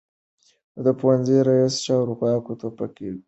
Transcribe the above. د پوهنې رياست چارواکو په کې ګډون کړی و.